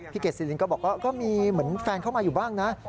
เกษลินก็บอกว่าก็มีเหมือนแฟนเข้ามาอยู่บ้างนะ